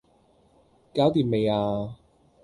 搞掂未呀